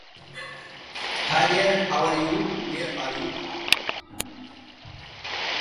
Subsequently, errors changed the name to Charlotte Island.